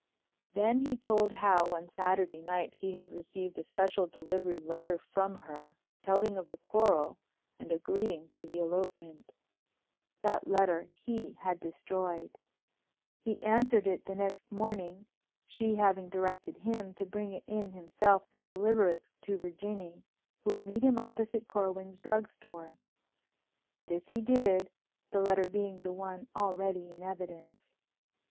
Then he told how on Saturday night he had received a special delivery letter from her, telling of the quarrel and agreeing to the elopement. That letter he had destroyed. He answered it the next morning, she having directed him to bring it in himself and deliver it to Virginie, who would meet him opposite Corwin's drugstore. This he did, the letter being the one already in evidence.